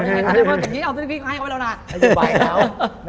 พี่ฝากมาไหนดีเขาเอาหน้ายิ้งอย่างคลั่งสะพีตก็ให้เราละ